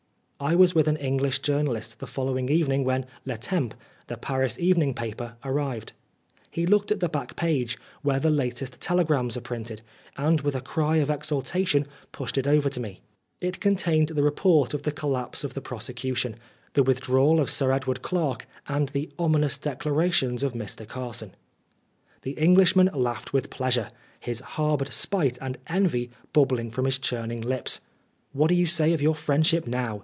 I was with an English journalist the following evening when Le Temps, the Paris evening paper, arrived. He looked at the back page, where the latest telegrams are printed, and with a cry of exultation pushed it over to me. It contained the report of the 122 Oscar Wilde collapse of the prosecution, the withdrawal of Sir Edward Clarke, and the ominous declarations of Mr. Carson. The Englishman laughed with pleasure, his harboured spite and envy bubbling from his churning lips. "What do you say of your friendship now?"